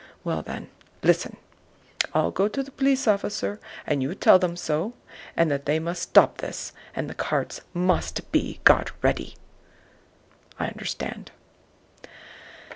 "Well, then, listen! I'll go to the police officer, and you tell them so, and that they must stop this and the carts must be got ready." "I understand."